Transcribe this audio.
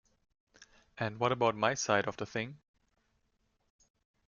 And what about my side of the thing?